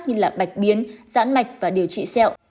như là bạch biến giãn mạch và điều trị xẹo